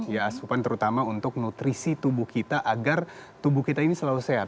ya asupan terutama untuk nutrisi tubuh kita agar tubuh kita ini selalu sehat